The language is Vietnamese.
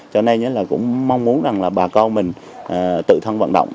cho nên là cũng mong muốn bà con mình tự thân vận động